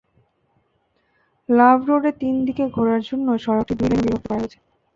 লাভ রোডে তিন দিকে ঘোরার জন্য সড়কটি দুই লেনে বিভক্ত করা হয়েছে।